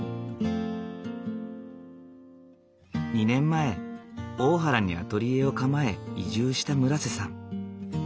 ２年前大原にアトリエを構え移住した村瀬さん。